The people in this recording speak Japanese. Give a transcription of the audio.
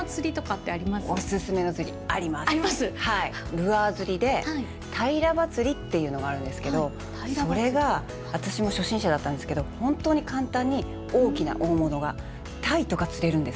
ルアー釣りでタイラバ釣りっていうのがあるんですけどそれが私も初心者だったんですけど本当に簡単に大きな大物がタイとか釣れるんです。